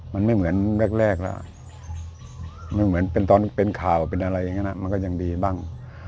มันเป็นของ